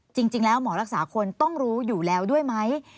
จริงแล้วหมอรักษาคนต้องรู้อยู่แล้วด้วยไหม